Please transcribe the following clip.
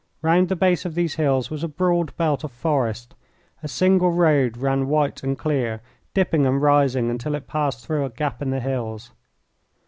Round the base of these hills was a broad belt of forest. A single road ran white and clear, dipping and rising until it passed through a gap in the hills.